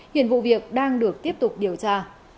hiện vụ việc đang được tiếp tục điều tra